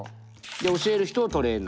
で教える人をトレーナー。